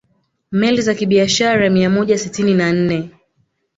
Meli za kibiashara mia moja sitini na nne